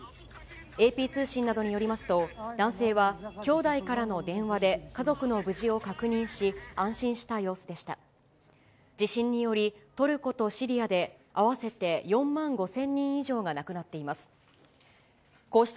ＡＰ通信などによりますと、男性は兄弟からの電話で家族の無事を確認し、安心した様子でした。